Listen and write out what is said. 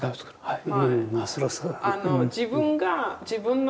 はい。